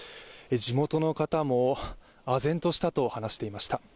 地元の方も、あ然としたと話していました。